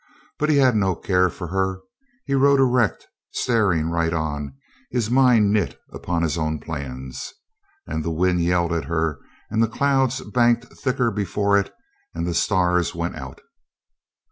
But he had no care for her. He rode erect, staring right 234 COLONEL GREATHEART on, his mind knit upon his own plans, ... And the wind yelled at her and the clouds banked thicker before it and the stars went out.